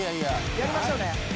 やりましょうね。